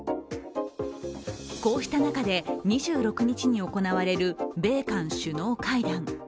こうした中で、２６日に行われる米韓首脳会談。